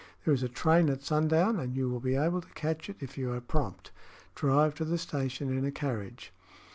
There is a train at sundown, and you will be able to catch it if you are prompt. Drive to the station in a carriage."